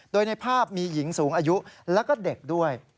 โดยในภาพมีหญิงสูงอายุแล้วก็เด็กด้วย